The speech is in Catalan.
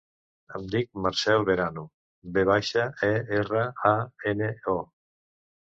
Em dic Marcèl Verano: ve baixa, e, erra, a, ena, o.